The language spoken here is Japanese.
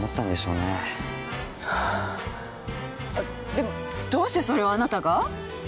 でもどうしてそれをあなたが？